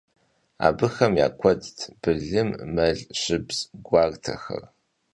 Abıxem ya kuedt bılım, mel, şşıbz guartexer.